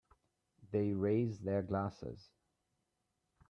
They raise their glasses.